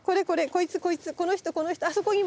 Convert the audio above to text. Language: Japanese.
こいつこいつこの人この人あそこにもあった！